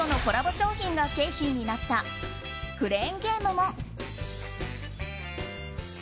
商品が景品になったクレーンゲームも。